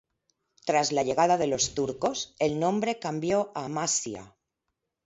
Tras la llegada de los turcos, el nombre cambió a "Amasya".